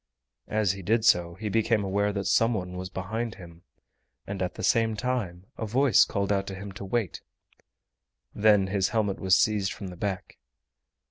As he did so he became aware that some one was behind him, and at the same time a voice called out to him to wait. Then his helmet was seized from the back.